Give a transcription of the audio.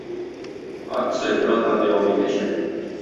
Акция бер атна дәвам итәчәк.